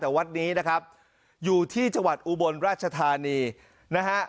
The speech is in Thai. แต่วัดนี้นะครับอยู่ที่จังหวัดอุบลราชธานีนะฮะ